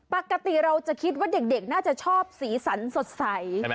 ปกติเราจะคิดว่าเด็กน่าจะชอบสีสันสดใส